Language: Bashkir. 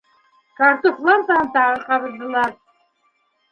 Картуф лампаһын тағы ҡабыҙҙылар.